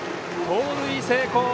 盗塁成功！